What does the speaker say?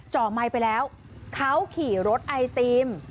จ่อไม้ไปแล้วเขาขี่รถไอศกรีม